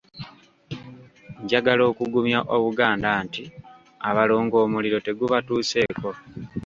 Njagala okugumya Obuganda nti Abalongo omuliro tegubatuseeko.